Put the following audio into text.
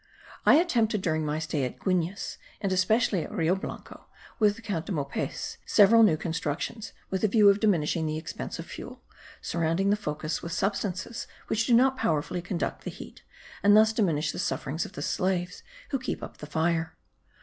I attempted, during my stay at Guines, and especially at Rio Blanco, with the Count de Mopex, several new constructions, with the view of diminishing the expense of fuel, surrounding the focus with substances which do not powerfully conduct the heat, and thus diminish the sufferings of the slaves who keep up the fire.